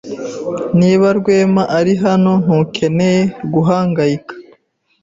Niba Rwema ari hano, ntukeneye guhangayika.